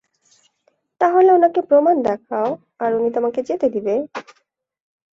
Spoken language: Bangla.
তাহলে ওনাকে প্রমাণ দেখাও, আর উনি তোমাকে যেতে দেবে।